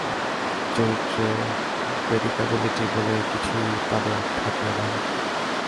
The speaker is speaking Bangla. চরিত্রে প্রেডকাটিবিলিটি বলে কিছু তাঁদের থাকে না।